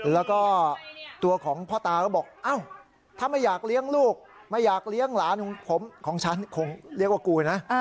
แล้วก็ตัวของพ่อตาก็บอกอ้าวถ้าไม่อยากเลี้ยงลูกไม่อยากเลี้ยงหลานของผมของฉันคงเรียกว่ากูนะ